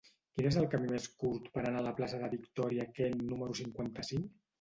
Quin és el camí més curt per anar a la plaça de Victòria Kent número cinquanta-cinc?